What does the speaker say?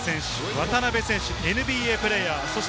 八村選手、渡邉選手、ＮＢＡプレーヤー。